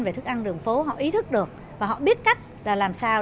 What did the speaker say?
về thức ăn đường phố họ ý thức được và họ biết cách là làm sao